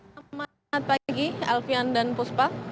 selamat pagi alfian dan puspa